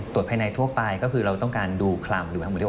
ตรวจภายในทั่วไปก็คือเราต้องการดูคลำ